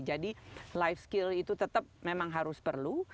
jadi life skill itu tetap memang harus perlu